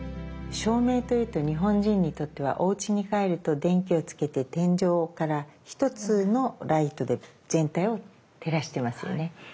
照明というと日本人にとってはおうちに帰ると電気をつけて天井から一つのライトで全体を照らしてますよね。